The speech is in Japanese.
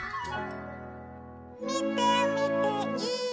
「みてみてい！」